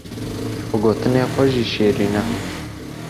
bi gotinê xwe jî şêrîn e.